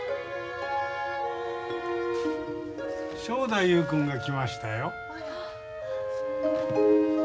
正太夫君が来ましたよ。